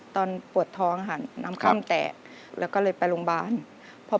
ตอนปวดท้องค่ะน้ำค่ำแตกแล้วก็เลยไปโรงพยาบาล